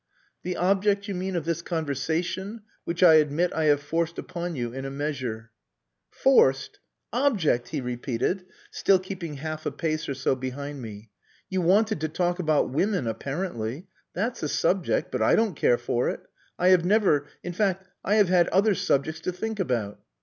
"The object, you mean, of this conversation, which I admit I have forced upon you in a measure." "Forced! Object!" he repeated, still keeping half a pace or so behind me. "You wanted to talk about women, apparently. That's a subject. But I don't care for it. I have never.... In fact, I have had other subjects to think about."